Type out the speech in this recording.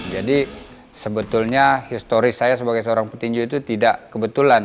jadi seorang petinju saya sebagai seorang petinju itu tidak kebetulan